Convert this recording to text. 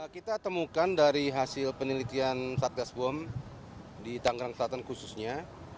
kita temukan dari hasil penelitian satgas bom di tanggerang selatan khususnya